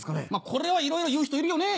これはいろいろ言う人いるよね